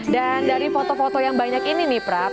dan dari foto foto yang banyak ini nih prap